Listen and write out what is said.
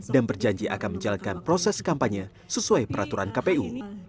dan berjanji akan menjalankan proses kampanye sesuai peraturan kpu